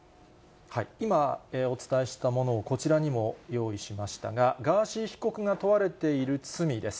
今お伝えしたものをこちらにも用意しましたが、ガーシー被告が問われている罪です。